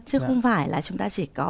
chứ không phải là chúng ta chỉ có